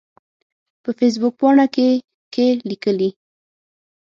په فیسبوک پاڼه کې کې لیکلي